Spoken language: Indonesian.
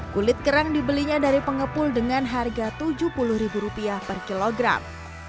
kulit kerang dibelinya dari pengepul dengan harga rp tujuh puluh per kilogram